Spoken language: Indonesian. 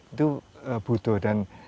itu butuh dan